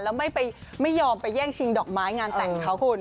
แล้วไม่ยอมไปแย่งชิงดอกไม้งานแต่งเขาคุณ